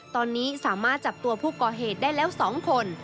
ตอนนี้สามารถจับตัวผู้ก่อเหตุได้แล้ว๒คน